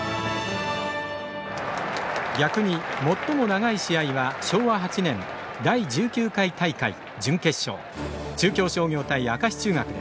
逆に最も長い試合は昭和８年、第１９回大会準決勝中京商業対明石中学です。